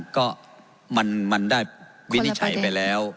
ก็มันได้วินิจฉัยไปแล้ว